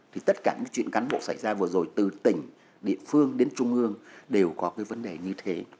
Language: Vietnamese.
thì tất cả những chuyện cán bộ xảy ra vừa rồi từ tỉnh địa phương đến trung ương đều có cái vấn đề như thế